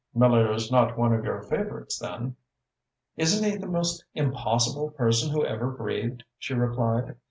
"Miller is not one of your favorites, then?" "Isn't he the most impossible person who ever breathed." she replied.